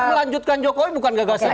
melanjutkan jokowi bukan gagasan